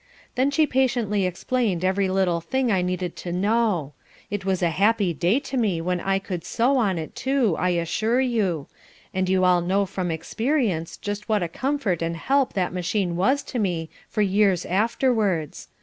Then she patiently explained every little thing I needed to know. It was a happy day to me when I could sew on it too, I assure you, and you all know from experience just what a comfort and help that machine was to me for years afterwards.